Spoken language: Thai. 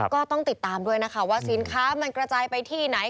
ก็ต้องติดตามด้วยนะคะว่าสินค้ามันกระจายไปที่ไหน